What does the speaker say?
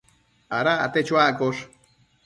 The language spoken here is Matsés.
Ada acte chuaccosh